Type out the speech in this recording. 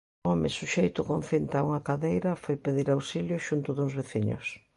O home, suxeito con cinta a unha cadeira, foi pedir auxilio xunto duns veciños.